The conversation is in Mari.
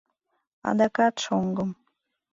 Адакат шоҥгым.